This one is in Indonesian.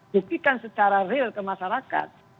buktikan secara real ke masyarakat